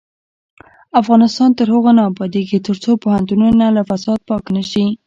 افغانستان تر هغو نه ابادیږي، ترڅو پوهنتونونه له فساده پاک نشي.